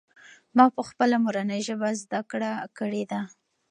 ما پخپله مورنۍ ژبه زده کړه کړې ده.